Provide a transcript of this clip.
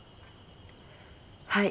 はい。